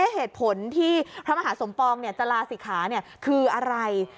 เหตุผลที่พระมหาสมปองจะลาศิกขาคืออะไร